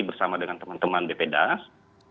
bersama dengan teman teman bp das